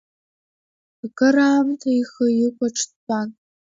Акыр аамҭа ихы икәаҽ дтәан.